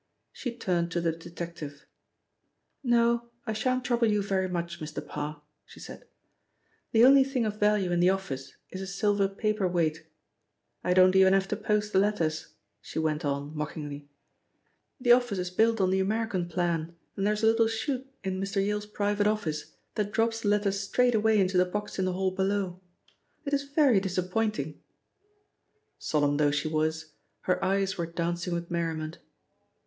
She turned to the detective. "'No, I shan't trouble you very much, Mr. Parr," she said. "The only thing of value in the office is a silver paper weight I don't even have to post the letters," she went on mockingly. "The office is built on the American plan, and there is a little chute in Mr. Yale's private office that drops the letters straight away into the box in the hall below. It is very disappointing!" Solemn though she was, her eyes were dancing with merriment.